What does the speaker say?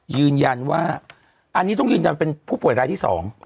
ยืนยันว่าอันนี้ต้องยืนยันเป็นผู้ป่วยรายที่๒